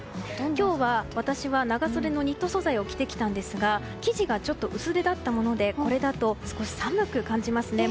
今日、私は長袖のニット素材を着てきたんですが生地がちょっと薄手だったものでこれだと少し寒く感じますね。